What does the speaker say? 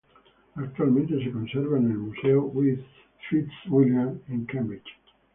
Actualmente se conserva en el Museo Fitzwilliam en Cambridge.